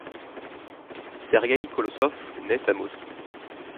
Sergueï Kolossov nait à Moscou.